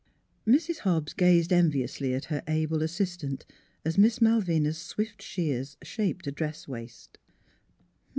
Mrs. Hobbs gazed enviously at her able as sistant, as Miss Malvina's swift shears shaped a dress waist.